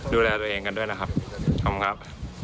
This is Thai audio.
ดูแลตัวเองกันด้วยนะครับขอบคุณครับ